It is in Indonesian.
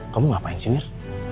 kamu ngapain sih mir